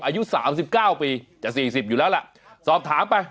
อายุสามสิบเก้าปีจะสี่สิบอยู่แล้วล่ะสอบถามไป